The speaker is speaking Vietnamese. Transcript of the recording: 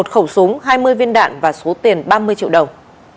một khẩu súng hai mươi viên đạn và số tiền ba mươi triệu đồng